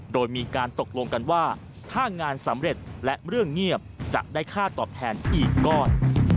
โดยมีการตกลงกันว่าถ้างานสำเร็จและเรื่องเงียบจะได้ค่าตอบแทนอีกก้อน